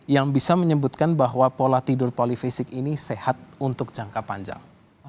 yang bisa menyebutkan bahwa pola tidur polifisik ini sehat untuk jangka panjang